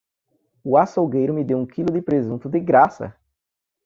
O açougueiro me deu um quilo de presunto de graça!